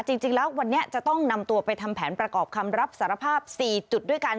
จริงแล้ววันนี้จะต้องนำตัวไปทำแผนประกอบคำรับสารภาพ๔จุดด้วยกัน